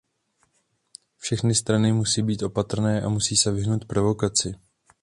Všechny strany musí být opatrné a musí se vyhnout provokaci.